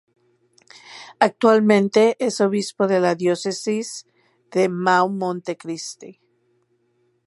Actualmente es obispo de la Diócesis de Mao-Monte Cristi.